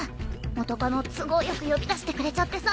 元カノを都合良く呼び出してくれちゃってさ！